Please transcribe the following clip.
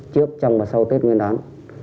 trước trong và sau tết nguyên đán